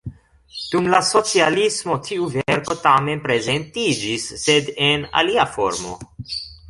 Dum la socialismo tiu verko tamen prezentiĝis, sed en alia formo.